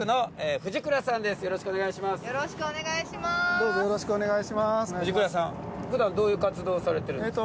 藤倉さんふだんどういう活動をされてるんですか？